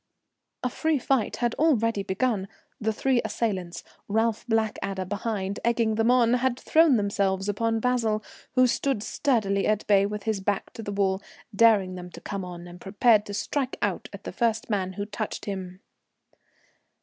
A free fight had already begun. The three assailants, Ralph Blackadder behind egging them on, had thrown themselves upon Basil, who stood sturdily at bay with his back to the wall, daring them to come on, and prepared to strike out at the first man who touched him.